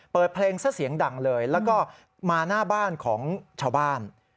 เปิดเพลงซะเสียงดังเลยแล้วก็มาหน้าบ้านของชาวบ้าน